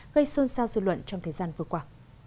gây xôn xao dư luận trong thời gian vừa qua